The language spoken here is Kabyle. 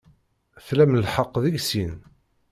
Tlam lḥeqq deg sin.